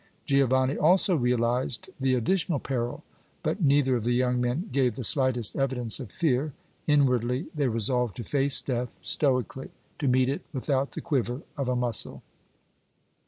Giovanni also realized the additional peril; but neither of the young men gave the slightest evidence of fear; inwardly they resolved to face death stoically, to meet it without the quiver of a muscle.